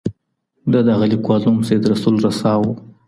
د دغه ليکوال نوم سيد رسول رسا و.